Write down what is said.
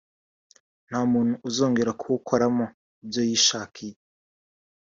nta muntu uzongera kuwukoramo ibyo yishakiye